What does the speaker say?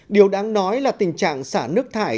điều đáng nói là tình trạng xả nước thải